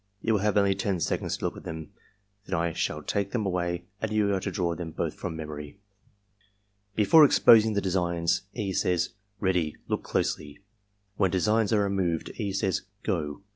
You will have only ten seconds to look at them, then I shalltake them away and you are to draw them both from memory,*' Before exposing the designs, E. says: "Ready; look dosely.'' When designs are removed, E. says: "Go."